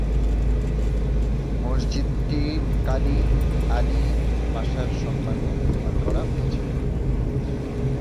মসজিদটি Kali Ali পাশার সম্মানে নির্মাণ করা হয়েছিল।